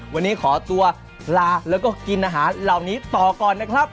วันนี้ขอตัวลาแล้วก็กินอาหารเหล่านี้ต่อก่อนนะครับ